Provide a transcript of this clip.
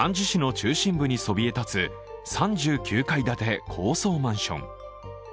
市中心部にそびえたつ、３９階建て高層マンション。